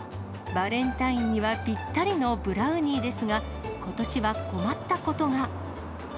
バレンタインにはぴったりのブラウニーですが、ことしは困ったことが。